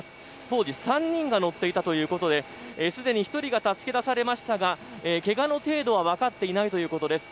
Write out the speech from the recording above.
当時、３人が乗っていたということですでに１人が助け出されましたがけがの程度は分かっていないということです。